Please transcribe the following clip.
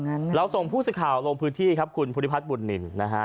อันแล้วน้องส่วนผู้สิข่าวได้บรรษพูดที่ครับคุณพุทธิพลาดตัว